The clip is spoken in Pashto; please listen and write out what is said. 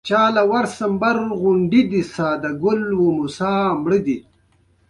دا ټول توکي په اردن او چین کې جوړ شوي دي.